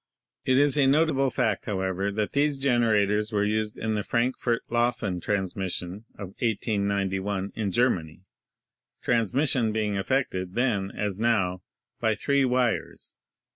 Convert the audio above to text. It is a notable fact, however, that these generators were used in the 202 ELECTRICITY Frankfort Lauffen transmission of 1891 in Germany, transmission being effected, then as now, by three wires.